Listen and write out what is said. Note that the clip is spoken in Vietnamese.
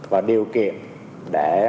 và điều kiện để